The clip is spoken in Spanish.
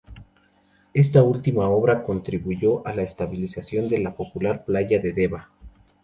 Esta última obra contribuyó a la estabilización de la popular playa de Deva.